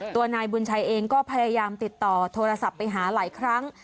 ตัวนายบุญชัยเองก็พยายามติดต่อโทรศัพท์ไปหาหลายครั้ง